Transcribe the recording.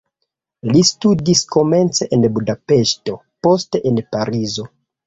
Li studis komence en Budapeŝto, poste en Parizo.